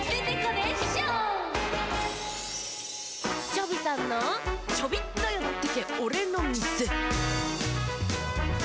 チョビさんの「チョビっとよってけおれのみせ」。